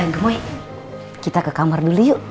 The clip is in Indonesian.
gemoy kita ke kamar dulu yuk